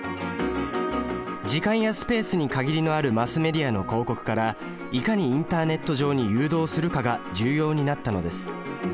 時間やスペースに限りのあるマスメディアの広告からいかにインターネット上に誘導するかが重要になったのです。